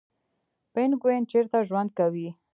پینګوین چیرته ژوند کوي؟